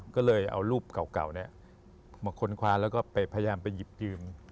ก็เอารูปเก่าขนความแล้วพยายามไปหยิบลืม